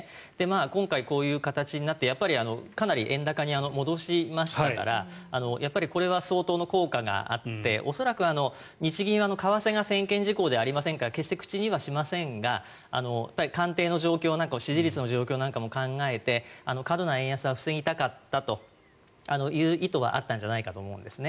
今回、こういう形になってやっぱりかなり円高に戻しましたからやっぱりこれは相当の効果があって恐らく、日銀は為替が専権事項ではありませんから決して口にはしませんが官邸の状況なんか支持率の状況なんかも考えて過度な円安は防ぎたかったという意図はあったんじゃないかと思うんですね。